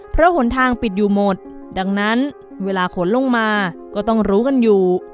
เพราะหนทางปิดอยู่หมดดังนั้นเวลาขนลงมาก็ต้องรู้กันอยู่